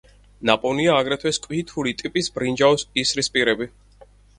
ნაპოვნია აგრეთვე სკვითური ტიპის ბრინჯაოს ისრისპირები.